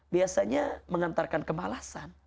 biasanya mengantarkan kemalasan